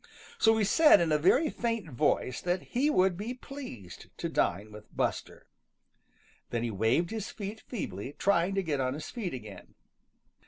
So he said in a very faint voice that he would be pleased to dine with Buster. Then he waved his feet feebly, trying to get on his feet again.